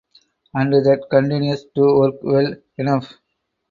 And that continues to work well enough.